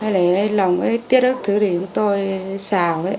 lòng tiết ớt thứ để chúng tôi xào